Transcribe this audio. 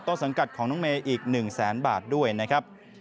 สังกัดของน้องเมย์อีก๑แสนบาทด้วยนะครับ